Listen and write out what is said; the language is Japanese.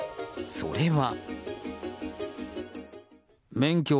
それは。